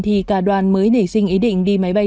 thì cả đoàn mới nảy sinh ý định đi máy bay